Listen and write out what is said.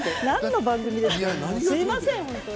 すみません、本当に。